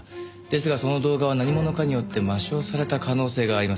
ですがその動画は何者かによって抹消された可能性があります。